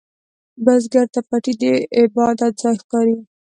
بزګر ته پټی د عبادت ځای ښکاري